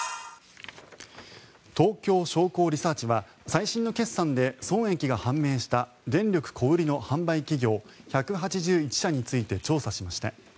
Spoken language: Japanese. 東京商工リサーチは最新の決算で損益が判明した電力小売りの販売企業１８１社について調査しました。